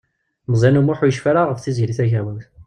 Meẓyan U Muḥ ur yecfi ara ɣef Tiziri Tagawawt.